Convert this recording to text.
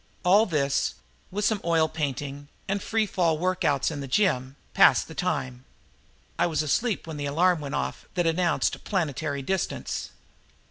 All this, with some oil painting and free fall workouts in the gym, passed the time. I was asleep when the alarm went off that announced planetary distance.